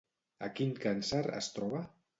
A quin càrcer es troba?